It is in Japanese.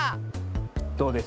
どうです？